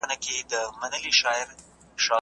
کمپيوټر له لمره څخه بايد وساتل سي.